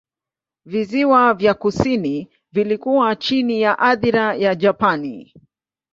Visiwa vya kusini vilikuwa chini ya athira ya Japani.